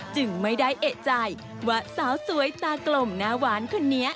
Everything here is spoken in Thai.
จึงไม่ได้เอกใจว่าสาวสวยตากลมหน้าหวานคนนี้